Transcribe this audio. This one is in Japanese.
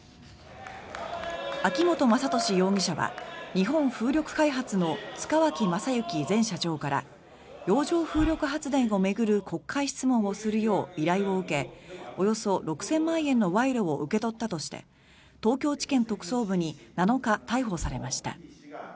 秋本真利容疑者は日本風力開発の塚脇正幸前社長から洋上風力発電を巡る国会質問をするよう依頼を受けおよそ６０００万円の賄賂を受け取ったとして東京地検特捜部に７日、逮捕されました。